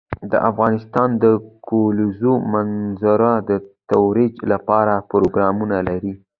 افغانستان د د کلیزو منظره د ترویج لپاره پروګرامونه لري.